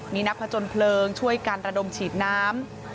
มีนักผจญเพลิงช่วยกันระดมฉีดน้ำ